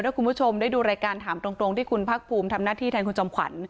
ถ้าคุณผู้ชมได้ดูรายการถามตรงที่คุณพักภูมิทำหน้าที่แทนคุณจอมขวัญ